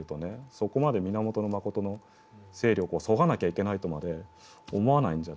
そこまで源信の勢力をそがなきゃいけないとまで思わないんじゃないか。